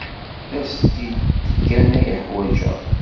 Tasdidt kan ay ḥwajeɣ.